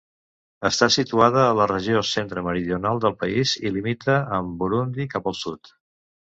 Està situada a la regió centre-meridional del país i limita amb Burundi cap al sud.